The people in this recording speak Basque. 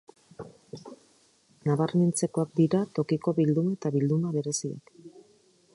Nabarmentzekoak dira Tokiko bilduma eta bilduma bereziak.